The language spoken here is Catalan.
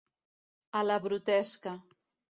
A la brutesca.